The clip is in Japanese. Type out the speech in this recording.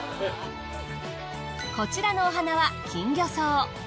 こちらのお花は金魚草。